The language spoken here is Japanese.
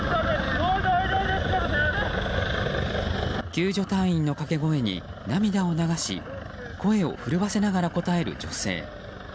救助隊員の掛け声に涙を流し声を震わせながら答える女性。